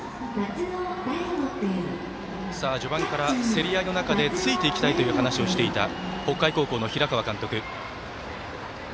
序盤から競り合いの中でついていきたいと話をしていた北海高校の平川監督。